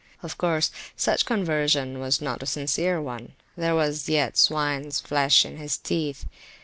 Of course, such conversion was not a sincere onethere was yet swines flesh in his teeth.